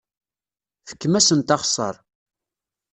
Fkem-asent axeṣṣar.